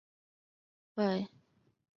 会东两极虫为两极科两极虫属的动物。